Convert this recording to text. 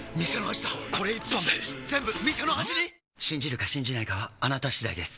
信じるか信じないかはあなた次第です